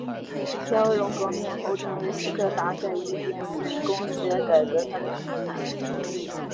天鹅绒革命后成为斯柯达在一边私人公司也改革它的生产。